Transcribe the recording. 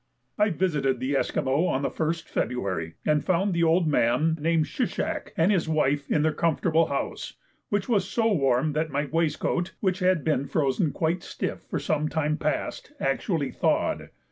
I visited the Esquimaux on the 1st February, and found the old man, named Shishak, and his wife in their comfortable house, which was so warm that my waistcoat, which had been frozen quite stiff for some time past, actually thawed.